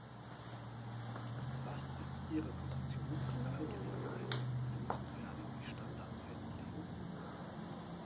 Was ist Ihre Position in dieser Angelegenheit, und werden Sie Standards festlegen?